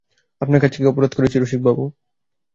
আপনার কাছে কী অপরাধ করেছি রসিকবাবু?